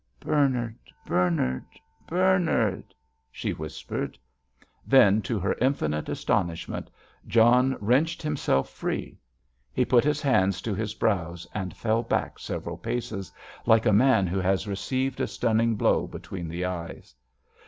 "Bernard—Bernard—Bernard!" she whispered. Then, to her infinite astonishment, John wrenched himself free; he put his hands to his brows, and fell back several paces, like a man who has received a stunning blow between the eyes.